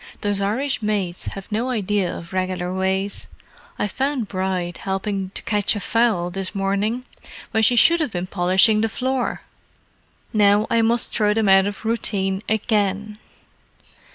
Those Irish maids have no idea of regular ways: I found Bride helping to catch a fowl this morning when she should have been polishing the floor. Now, I must throw them out of routine again."